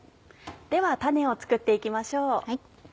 ではタネを作って行きましょう。